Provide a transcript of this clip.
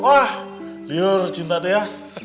wah liur cinta itu ya